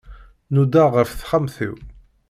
Nudaɣ ɣef texxamt-iw.